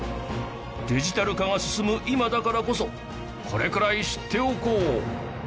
デジタル化が進む今だからこそこれくらい知っておこう！